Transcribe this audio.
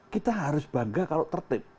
kita harus bangga kalau tertib